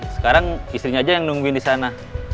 sekarang istrinya aja yang nungguin di sana